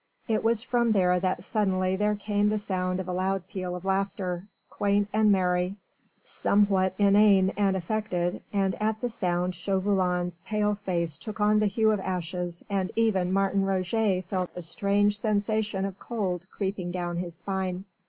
It was from there that suddenly there came the sound of a loud peal of laughter quaint and merry somewhat inane and affected, and at the sound Chauvelin's pale face took on the hue of ashes and even Martin Roget felt a strange sensation of cold creeping down his spine.